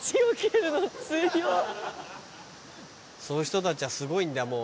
そういう人たちはすごいんだ。